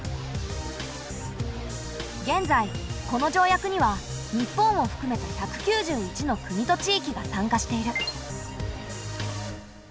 現在この条約には日本をふくめた１９１の国と地域が参加している。